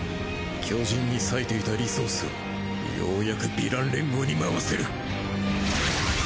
巨人に割いていたリソースをようやくヴィラン連合に回せる！